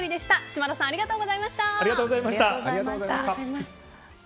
島田さんありがとうございました。